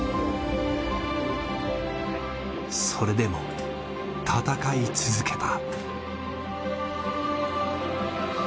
それでも戦い続けた。